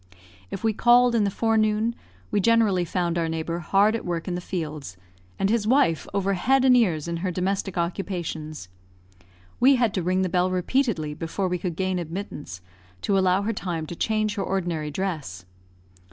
If we called in the forenoon, we generally found our neighbour hard at work in the fields, and his wife over head and ears in her domestic occupations. We had to ring the bell repeatedly before we could gain admittance, to allow her time to change her ordinary dress.